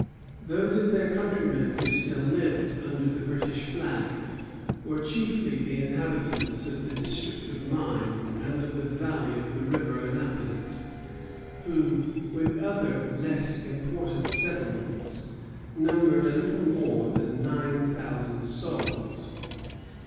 Those of their countrymen who still lived under the British flag were chiefly the inhabitants of the district of Mines and of the valley of the River Annapolis, who, with other less important settlements, numbered a little more than nine thousand souls.